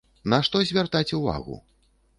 На што звяртаць увагу?